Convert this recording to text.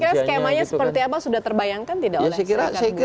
kira kira skemanya seperti apa sudah terbayangkan tidak oleh kklnya seperti apa